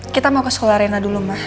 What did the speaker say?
kita mau ke sekolah rena dulu ma